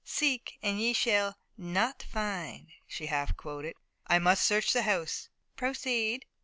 "Seek and ye shall not find," she half quoted. "I must search the house." "Proceed."